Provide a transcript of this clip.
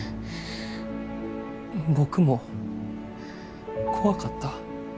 僕も怖かった。